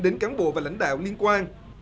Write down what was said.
đến cán bộ và lãnh đạo liên quan